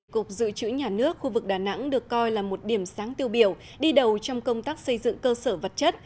cục dự trữ nhà nước khu vực đà nẵng được coi là một điểm sáng tiêu biểu đi đầu trong công tác xây dựng cơ sở vật chất